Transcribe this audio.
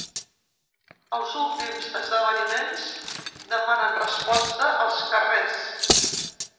Els últims esdeveniments demanen resposta als carrers.